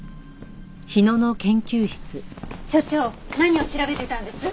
所長何を調べてたんです？